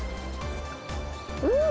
うん！